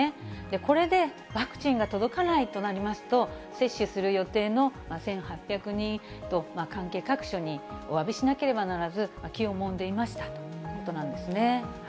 これでワクチンが届かないとなりますと、接種する予定の１８００人と関係各所におわびしなければならず、気をもんでいましたということなんですね。